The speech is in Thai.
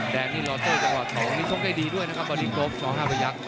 แดงนี่รอเต้นจากรอดทองนี่ทงใกล้ดีด้วยนะครับบริกรบ๒๕ประยักษ์